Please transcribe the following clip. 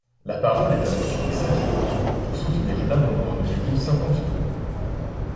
La parole est à Monsieur Xavier Breton, pour soutenir l’amendement numéro cinquante-deux.